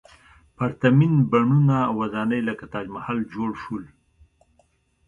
پرتمین بڼونه او ودانۍ لکه تاج محل جوړ شول.